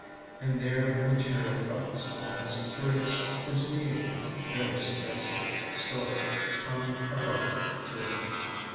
And there the material facts in this curious, and to me at least very suggestive, story come abruptly to an end.